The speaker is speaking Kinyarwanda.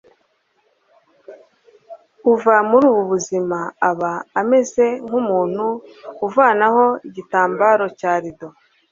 uva muri ubu buzima aba ameze nk'umuntu uvanaho igitambaro cya rido